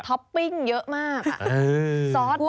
ปปิ้งเยอะมาก